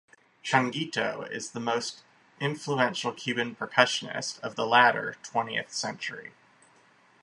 Changuito is the most influential Cuban percussionist of the latter twentieth century.